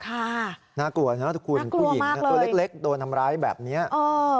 ค่ะน่ากลัวนะทุกคนผู้หญิงตัวเล็กโดนทำร้ายแบบนี้น่ากลัวมากเลย